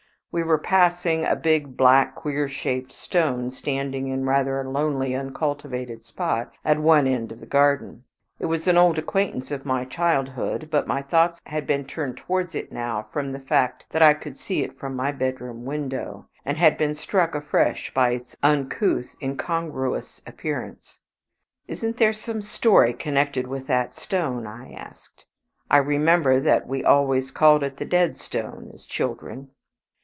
We were passing a big, black, queer shaped stone standing in rather a lonely uncultivated spot at one end of the garden. It was an old acquaintance of my childhood; but my thoughts had been turned towards it now from the fact that I could see it from my bedroom window, and had been struck afresh by its uncouth, incongruous appearance. "Isn't there some story connected with that stone?" I asked. "I remember that we always called it the Dead Stone as children."